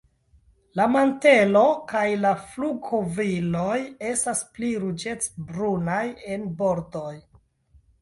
La mantelo kaj la flugilkovriloj estas pli ruĝecbrunaj en bordoj.